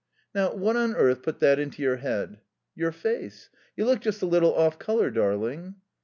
"Now, what on earth put that into your head?" "Your face. You look just a little off colour, darling."